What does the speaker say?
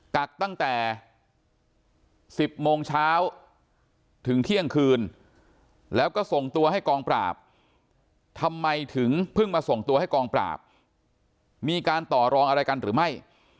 กักตั้งแต่๑๐โมงเช้าถึงเที่ยงคืนแล้วก็ส่งตัวให้กองปราบทำไมถึงเพิ่งมาส่งตัวให้กองปราบมีการต่อรองอะไรกันหรือไม่